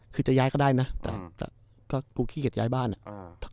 คือจะย้ายก็ได้นะแต่ก็กูขี้เกียจย้ายบ้านอ่ะ